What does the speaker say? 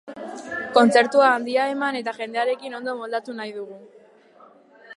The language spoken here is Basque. Kontzertua handia eman eta jendearekin ondo moldatu nahi dugu.